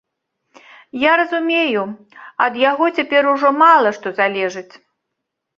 Я разумею, ад яго цяпер ужо мала што залежыць.